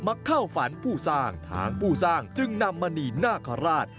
มาเข้าฝันผู้สร้างทางผู้สร้างจึงนำมณีนาคาราช